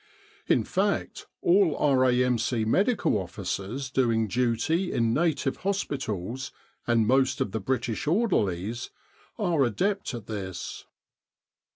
In fact, all R.A.M.C. Medical Officers doing duty in Native hospitals, and most of the British orderlies, are adept at this.